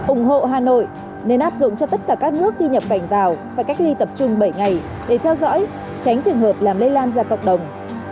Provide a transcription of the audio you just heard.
ủng hộ hà nội nên áp dụng cho tất cả các nước khi nhập cảnh vào phải cách ly tập trung bảy ngày để theo dõi tránh trường hợp làm lây lan ra cộng đồng